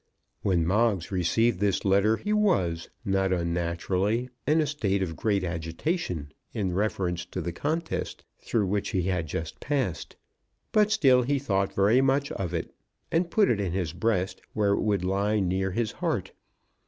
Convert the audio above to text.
When Moggs received this letter he was, not unnaturally, in a state of great agitation in reference to the contest through which he had just passed; but still he thought very much of it, and put it in his breast, where it would lie near his heart.